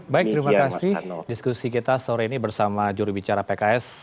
baik terima kasih diskusi kita sore ini bersama jurubicara pks